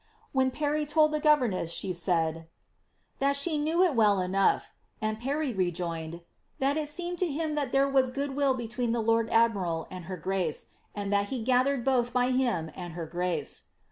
When Parry told the governess, she said —^^ that she knew it well enough ;" and Parry rejoined, '^ that it seemed to him that there was good will between the lord admiral and her grace, and that he gathered both by him and her grace."